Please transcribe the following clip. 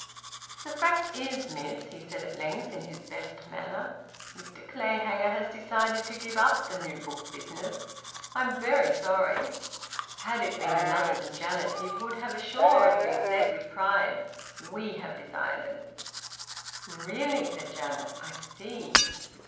"The fact is, miss," he said at length, in his best manner, "Mr Clayhanger has decided to give up the new book business. I'm very sorry." Had it been another than Janet he would have assuredly said with pride: "We have decided " "Really!" said Janet. "I see!"